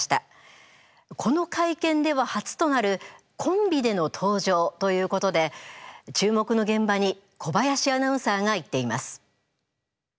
この会見では初となるコンビでの登場ということで注目の現場に小林アナウンサーが行っています。